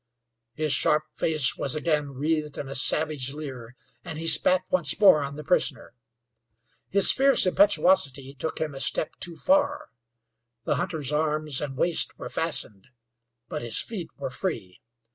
His sharp face was again wreathed in a savage leer, and he spat once more on the prisoner. His fierce impetuosity took him a step too far. The hunter's arms and waist were fastened, but his feet were free.